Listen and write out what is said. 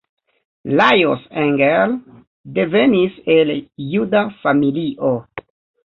Lajos Engel devenis el juda familio.